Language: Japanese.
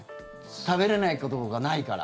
食べれないことがないから。